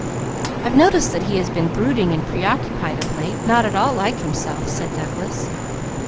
"I've noticed that he has been brooding and preoccupied of late, not at all like himself," said Douglas.